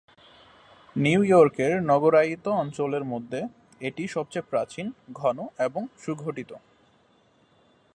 New ইয়র্কের নগরায়িত অঞ্চলের মধ্যে এটিই সবচেয়ে প্রাচীন, ঘন এবং সুগঠিত।